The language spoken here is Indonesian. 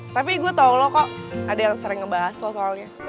tapi gue tau lo kok ada yang sering ngebahas loh soalnya